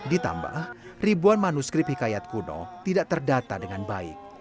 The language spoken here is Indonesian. ditambah ribuan manuskrip hikayat kuno tidak terdata dengan baik